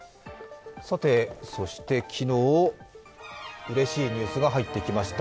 そして、昨日、うれしいニュースが入ってきました。